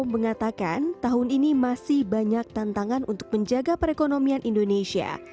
mengatakan tahun ini masih banyak tantangan untuk menjaga perekonomian indonesia